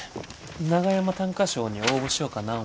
長山短歌賞に応募しよかな思て。